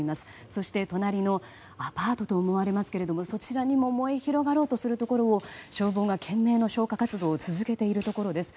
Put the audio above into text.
そして、隣のアパートと思われますけれどもそちらにも燃え広がろうとするところを消防が懸命の消火活動を続けているところです。